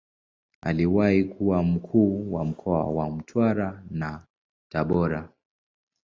Aliwahi kuwa Mkuu wa mkoa wa Mtwara na Tabora.